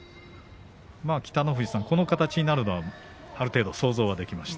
北の富士さん、この形になるのはある程度、想像はできました。